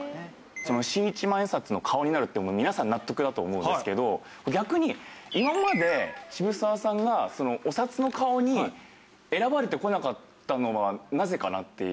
その新一万円札の顔になるって皆さん納得だと思うんですけど逆に今まで渋沢さんがお札の顔に選ばれてこなかったのはなぜかなっていう。